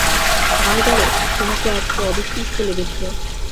Margaret, তোমাকে আজকে অবিশ্বাস্য লেগেছে।